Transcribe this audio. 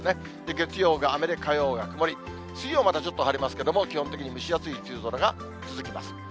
月曜が雨で火曜が曇り、水曜、またちょっと晴れますけれども、基本的に蒸し暑い梅雨空が続きます。